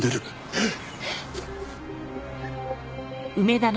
えっ！？